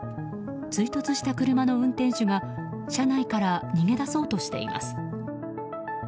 追突した車の運転手が車内から逃げ出そうとしています。